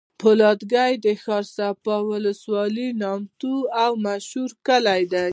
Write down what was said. فولادګی د ښارصفا ولسوالی نامتو او مشهوره کلي دی